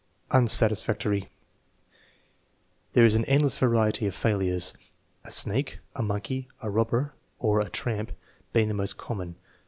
Unsatisfactory. There is an endless variety of failures: "A snake," "A monkey," "A robber," or "A tramp" being the most common.